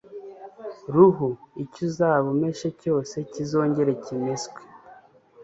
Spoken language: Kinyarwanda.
ruhu icyo uzaba umeshe cyose kizongere kimeswe